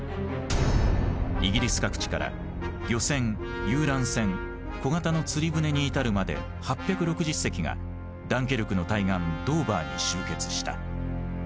イギリス各地から漁船遊覧船小型の釣り船に至るまで８６０隻がダンケルクの対岸ドーバーに集結した。